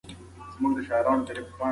د لیکوالو تلینونه باید په علمي بڼه یاد شي.